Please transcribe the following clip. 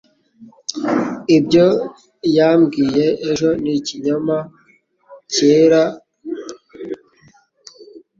Ibyo yambwiye ejo ni ikinyoma cyera.